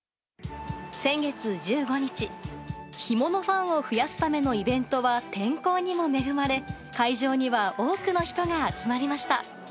先月１５日、干物ファンを増やすためのイベントは、天候にも恵まれ、会場には多くの人が集まりました。